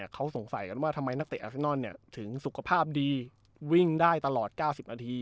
เขาสงสัยกันว่าทำไมนักเตะอาเซนอนถึงสุขภาพดีวิ่งได้ตลอด๙๐นาที